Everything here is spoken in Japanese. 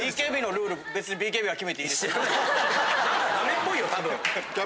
ダメっぽいよ多分。